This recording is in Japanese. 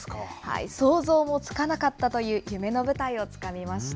想像もつかなかったという夢の舞台をつかみました。